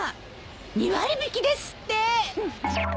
２割引きですって。